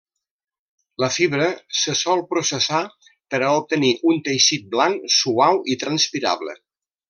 La fibra se sol processar per a obtenir un teixit blanc, suau i transpirable.